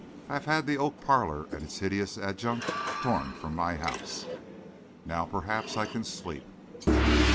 I have had the oak parlor and its hideous adjunct torn from my house. Now, perhaps, I can sleep.